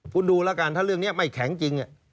คุณดูแล้วกันถ้าเรื่องนี้ไม่แข็งจริง